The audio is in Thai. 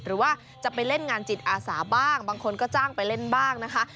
หรือว่าจะไปเล่นงานจิตอาสาบ้างบางคนก็จ้างไปเล่นบ้างนะคะ